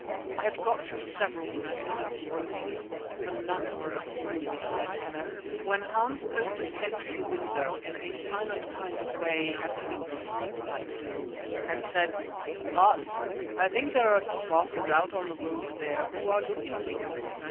I had got through several with many groanings, for none were agreeable in their tenor, when Hans poked his head through the window in a silent kind of a way as a big snake might do, and said: "Baas, I think there are two baases out on the road there who are looking for you.